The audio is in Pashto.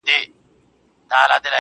نو شاعري څه كوي.